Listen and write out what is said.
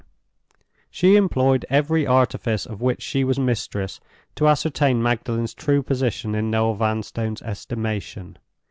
She employed every artifice of which she was mistress to ascertain Magdalen's true position in Noel Vanstone's estimation.